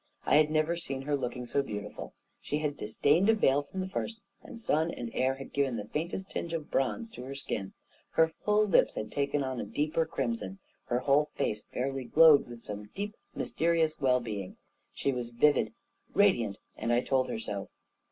I had never seen her looking so beautiful. She had disdained a veil from the first, and sun and air had given the faintest tinge of bronze to her skin; her full lips had taken on a deeper crimson; her whole face fairly glowed with some deep, mys terious well being. She was vivid, radiant — and I told her so.